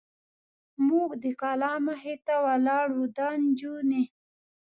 موږ د کلا مخې ته ولاړ و، دا نجونې.